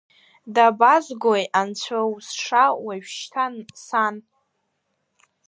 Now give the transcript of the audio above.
Дабазгои, анцәаузша, уажәшьҭа сан!